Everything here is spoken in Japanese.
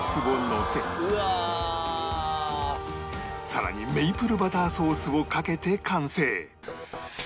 さらにメイプルバターソースをかけて完成